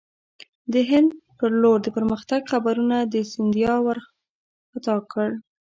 د هند پر لور د پرمختګ خبرونو سیندیا وارخطا کړ.